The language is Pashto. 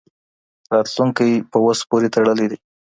راتلونکی په اوس پوري تړلی دی.